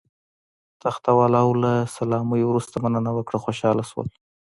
تخته والاو له سلامۍ وروسته مننه وکړه، خوشاله شول.